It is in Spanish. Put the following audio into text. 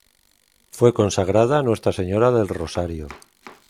Fue consagrada a Nuestra Señora del Rosario.